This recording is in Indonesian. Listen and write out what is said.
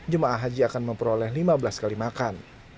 jemaah haji akan memperoleh lima belas kali makan